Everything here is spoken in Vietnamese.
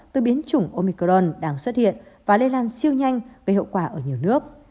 từ biến chủng omicron đang xuất hiện và lây lan siêu nhanh gây hậu quả ở nhiều nước